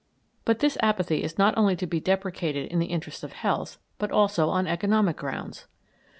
But this apathy is not only to be deprecated in the interests of health, but also on economic grounds.